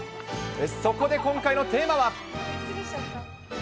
そこで今回のテーマは。